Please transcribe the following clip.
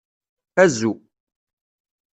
Azu.